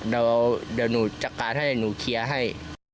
เดี๋ยวหนูจัดการให้หนูเคลียร์ให้